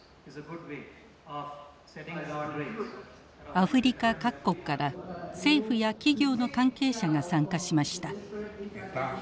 アフリカ各国から政府や企業の関係者が参加しました。